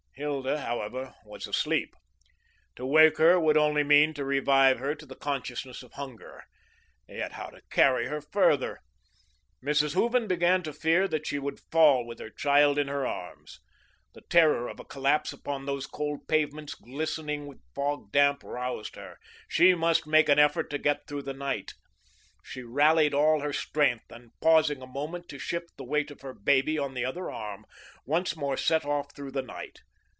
Hilda, however, was asleep. To wake her would only mean to revive her to the consciousness of hunger; yet how to carry her further? Mrs. Hooven began to fear that she would fall with her child in her arms. The terror of a collapse upon those cold pavements glistening with fog damp roused her; she must make an effort to get through the night. She rallied all her strength, and pausing a moment to shift the weight of her baby to the other arm, once more set off through the night.